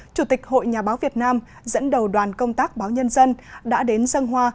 chủ tịch hội nhà báo việt nam dẫn đầu đoàn công tác báo nhân dân đã đến dân hoa